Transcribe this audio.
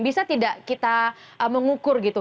bisa tidak kita mengukur gitu